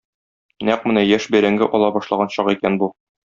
Нәкъ менә яшь бәрәңге ала башлаган чак икән бу.